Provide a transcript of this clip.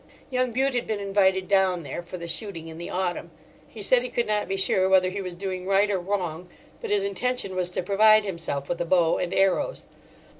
Young Bute had been invited down there for the shooting in the autumn. He said he could not be sure whether he was doing right or wrong, but his intention was to provide himself with a bow and arrows.